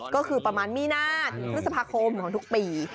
ก็คือประมาณมีนาธรรมศพโครมของทุกปี